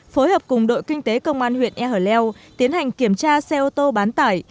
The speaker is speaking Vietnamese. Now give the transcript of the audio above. phối hợp cùng đội kinh tế công an huyện ea hở leo tiến hành kiểm tra xe ô tô bán tải